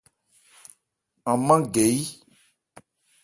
An mân gɛ yí.